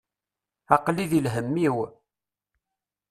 Aql-i di lhemm-iw.